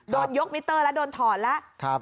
โดนยกมิเตอร์แล้วโดนถอดแล้ว